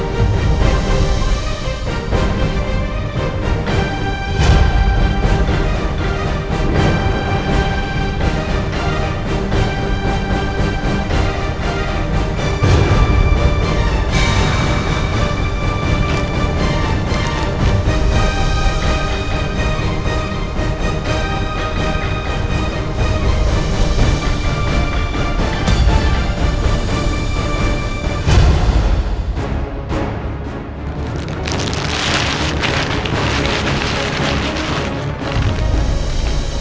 suara apa sih tuh